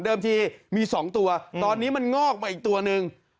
ทีมี๒ตัวตอนนี้มันงอกมาอีกตัวหนึ่ง